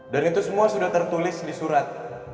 dan itu semua sudah tertulis di surat